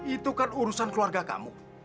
itu kan urusan keluarga kamu